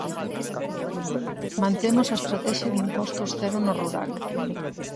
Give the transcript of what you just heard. Mantemos a estratexia de impostos cero no rural.